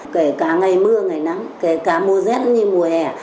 kể cả ngày mưa ngày nắng kể cả mùa rét như mùa hè